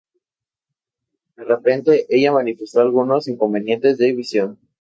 De repente, ella manifestó algunos inconvenientes de visión.